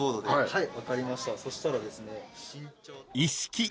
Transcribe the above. はい。